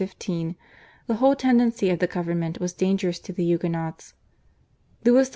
(1643 1715) the whole tendency of the government was dangerous to the Huguenots. Louis XIV.